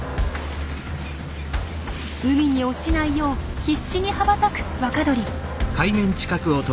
海に落ちないよう必死に羽ばたく若鳥。